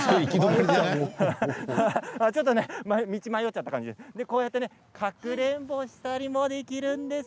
ちょっと道に迷っちゃった感じかくれんぼしたりもできるんです。